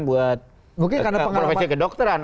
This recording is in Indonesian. buat profesi kedokteran